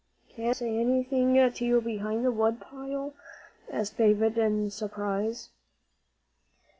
"Can't I say anything to you behind the wood pile?" asked David, in surprise.